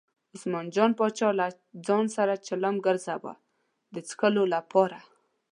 عثمان جان پاچا له ځان سره چلم ګرځاوه د څکلو لپاره.